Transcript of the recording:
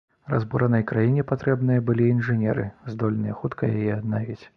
Разбуранай краіне патрэбныя былі інжынеры, здольныя хутка яе аднавіць.